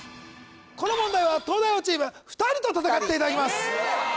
この問題は東大王チーム２人と戦っていただきます